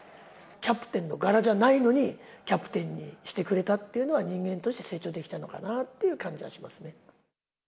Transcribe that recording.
キャプテンの柄じゃないのに、キャプテンにしてくれたっていうのは、人間として成長できたのかなという感じはしますね。